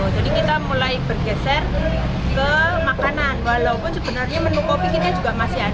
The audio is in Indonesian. jadi kita mulai bergeser ke makanan walaupun sebenarnya menu kopi kita juga masih ada